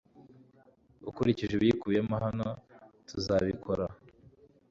ukurikije ibiyikubiyemo. hano tuzabikora